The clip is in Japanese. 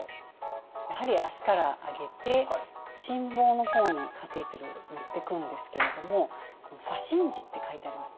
やはり脚から上げて心房の方にカテーテル持っていくんですけれどもこの左心耳って書いてあります